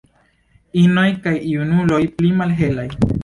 Inoj kaj junuloj pli malhelaj.